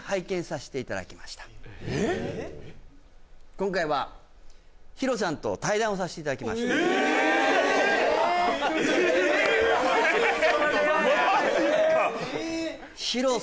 今回はＨＩＲＯさんと対談をさせていただきましたえーっ！